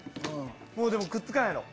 もうでもくっつかんやろ。